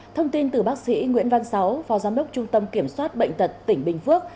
thông tin từ bác sĩ nguyễn văn sáu phó giám đốc trung tâm kiểm soát bệnh tật tỉnh bình phước